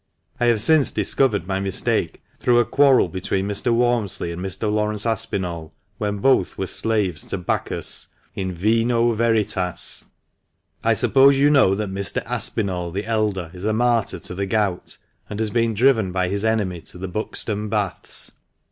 I have since discovered my mistake, through a quarrel betiueen Mr. Walmsley and Mr. Laurence Aspinall, when both were slaves to Bacchus —"/# vino veritas /" I suppose, you know that Mr. Aspinall the elder is a martyr to the gout, and has been driven by his enemy to the Buxton baths.